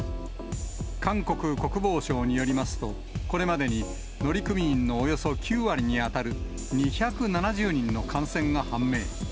韓国国防省によりますと、これまでに乗組員のおよそ９割に当たる２７０人の感染が判明。